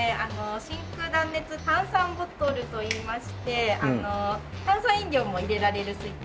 真空断熱炭酸ボトルといいまして炭酸飲料も入れられる水筒。